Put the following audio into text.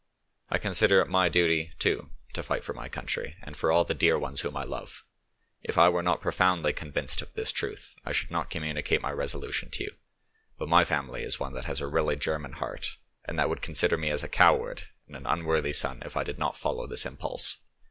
I consider it my duty, too, to fight for my country and for all the dear ones whom I love. If I were not profoundly convinced of this truth, I should not communicate my resolution to you; but my family is one that has a really German heart, and that would consider me as a coward and an unworthy son if I did not follow this impulse.